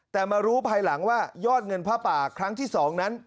แต่มารู้ภายหลังว่ายอดเงินผ้าป่าครั้งที่๒นั้น